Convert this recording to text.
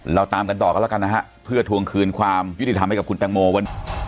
เราตามกันต่อกันแล้วกันนะฮะเพื่อทวงคืนความยุติธรรมให้กับคุณแตงโมวัน